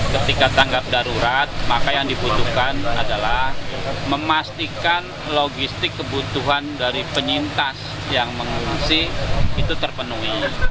ketika tanggap darurat maka yang dibutuhkan adalah memastikan logistik kebutuhan dari penyintas yang mengungsi itu terpenuhi